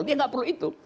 dia nggak perlu itu